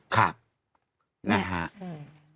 ค่ะนะฮะ